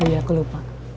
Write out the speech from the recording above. iya aku lupa